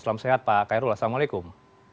salam sehat pak kero assalamualaikum